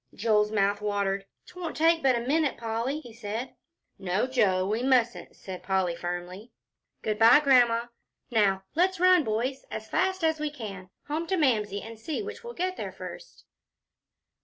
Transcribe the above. Joel's mouth watered. "'Twon't take but a minute, Polly," he said. "No, Joe, we mustn't," said Polly, firmly. "Good by, Grandma. Now, let's run, boys, as fast as we can, home to Mamsie, and see which will get there first."